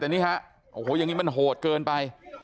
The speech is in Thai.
แต่นี่ฮะโอ้โหอย่างนี้มันโหดเกินไป